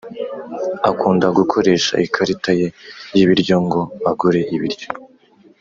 Akunda gukoresha ikarita ye y ibiryo ngo agure ibiryo